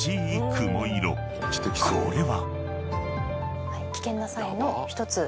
［これは］